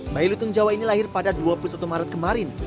bayi lutung jawa ini lahir pada dua puluh satu maret kemarin